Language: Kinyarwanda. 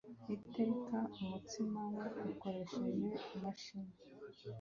ateka umutsima we akoresheje imashini.